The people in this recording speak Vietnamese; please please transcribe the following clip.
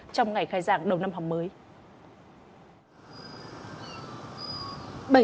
trong ngày khai giảng đầu năm học mới